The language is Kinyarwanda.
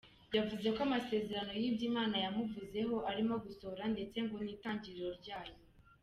Yavuze ko amasezerano y'ibyo Imana yamuvuzeho arimo gusohora ndetse ngo ni itangiriro ryayo.